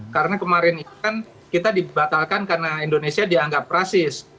karena kemarin kan kita dibatalkan karena indonesia dianggap rasis